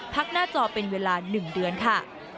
พักหน้าจอเป็นเวลาหนึ่งเดือนค่ะ